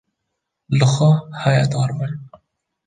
Li xwe haydarbin.